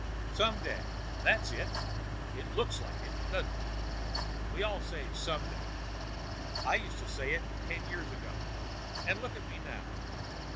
"Some day! That's it; it looks like it, doesn't it? We all say, 'Some day.' I used to say it ten years ago, and look at me now.